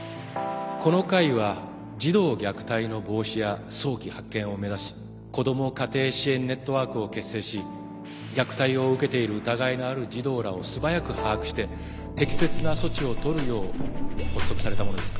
この会は児童虐待の防止や早期発見を目指し子ども家庭支援ネットワークを結成し虐待を受けている疑いのある児童らを素早く把握して適切な措置を取るよう発足されたものです。